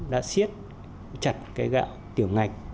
đã xiết chặt gạo tiểu ngạch